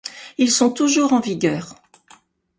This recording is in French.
Ils sont toujours en vigueur.